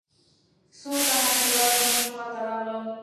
څو تنه کليوال زموږ خوا ته راغلل.